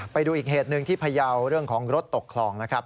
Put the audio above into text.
ไปดูอีกเหตุหนึ่งที่พยาวเรื่องของรถตกคลองนะครับ